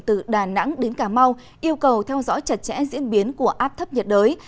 từ đà nẵng đến cà mau yêu cầu theo dõi chặt chẽ diễn biến của áp thấp nhiệt đới